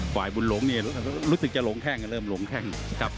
ไกวบุญหลงเนี่ยรู้สึกจะหลงแข้งเริ่มหลงแข้ง